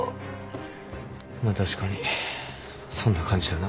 「まっ確かにそんな感じだな」